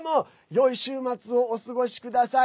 よい週末をお過ごしください。